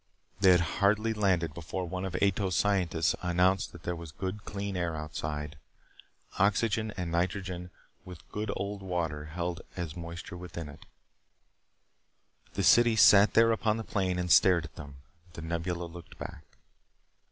They had hardly landed before one of Ato's scientists announced that there was good clean air outside. Oxygen and nitrogen with good old water held as moisture within it. The city sat there upon the plain and stared at them. The Nebula looked back.